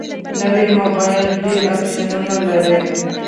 نوی موبایل ډېر اپشنونه لري